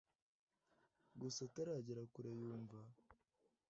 gusa ataragera kure yumva